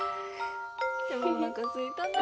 でもおなかすいたな。